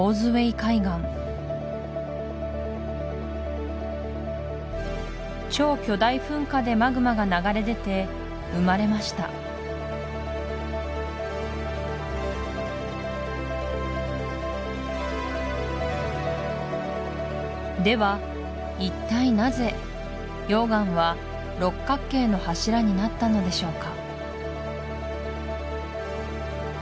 海岸超巨大噴火でマグマが流れ出て生まれましたでは一体なぜ溶岩は六角形の柱になったのでしょうか？